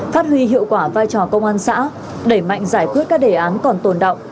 phát huy hiệu quả vai trò công an xã đẩy mạnh giải quyết các đề án còn tồn động